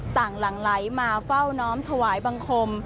หลังไหลมาเฝ้าน้อมถวายบังคม